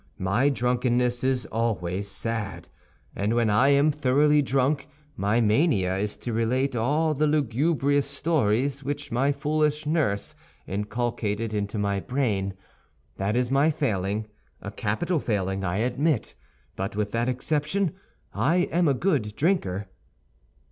My drunkenness is always sad, and when I am thoroughly drunk my mania is to relate all the lugubrious stories which my foolish nurse inculcated into my brain. That is my failing—a capital failing, I admit; but with that exception, I am a good drinker."